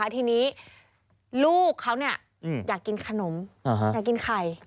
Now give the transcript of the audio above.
ทีนี้ลูกเขาอยากกินขนมอยากกินไข่